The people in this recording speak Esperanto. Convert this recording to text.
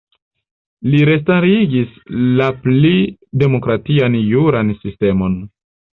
Li restarigis la pli demokratian juran sistemon.